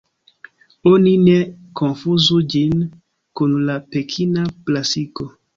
Oni ne konfuzu ĝin kun la Pekina brasiko.